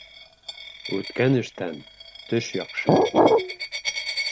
Үткән эштән төш яҡшы.